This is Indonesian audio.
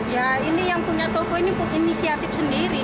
ya ini yang punya toko ini inisiatif sendiri dia